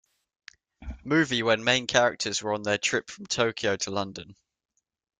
Movie when main characters were on their trip from Tokyo to London.